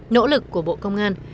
nỗ lực của bộ công an